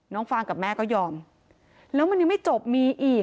ฟางกับแม่ก็ยอมแล้วมันยังไม่จบมีอีก